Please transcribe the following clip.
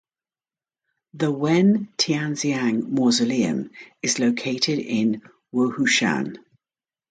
The Wen Tianxiang Mausoleum is located in Wohushan.